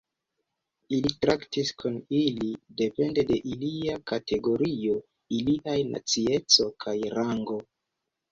Ili traktis kun ili depende de ilia kategorio, iliaj nacieco kaj rango.